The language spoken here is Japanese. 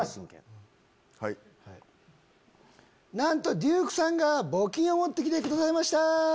なんとデュークさんが募金を持って来てくださいました。